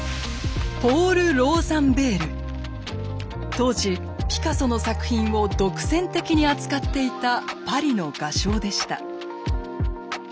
当時ピカソの作品を独占的に扱っていたパリの画商でした。